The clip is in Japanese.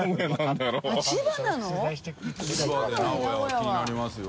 気になりますよ。